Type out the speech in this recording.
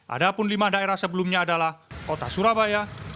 ada pun lima daerah sebelumnya adalah kota surabaya